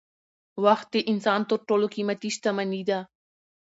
وخت د انسان تر ټولو قیمتي شتمني ده